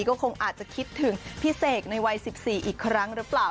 ก็คงอาจจะคิดถึงพี่เสกในวัย๑๔อีกครั้งหรือเปล่า